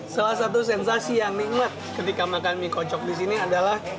salah satu sensasi yang nikmat ketika makan mie kocok di sini adalah